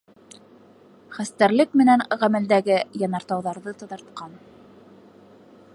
Хәстәрлек менән ғәмәлдәге янартауҙарҙы таҙартҡан.